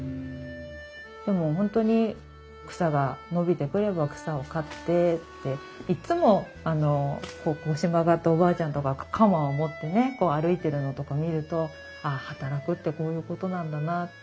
でも本当に草が伸びてくれば草を刈ってっていっつも腰曲がったおばあちゃんとかが鎌を持ってね歩いてるのとか見るとああ働くってこういうことなんだなって。